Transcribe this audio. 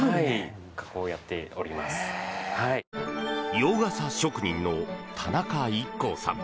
洋傘職人の田中一行さん